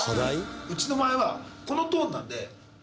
うちの場合はこのトーンなんで。